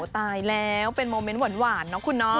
ตายแล้วเป็นโมเมนต์หวานเนาะคุณเนาะ